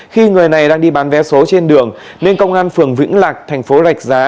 khi người này đang đi bán vé số trên đường nên công an phường vĩnh lạc thành phố rạch giá